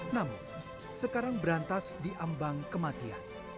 namun sekarang berantas diambang kematian